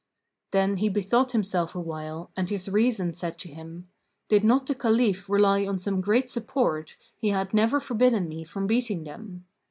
Then he bethought himself awhile, and his reason said to him, "Did not the Caliph rely on some great support, he had never forbidden me from beating them."